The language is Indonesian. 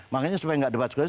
makanya supaya gak debat kusir